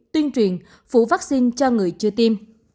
tuyên truyền phủ vaccine cho người chưa tiêm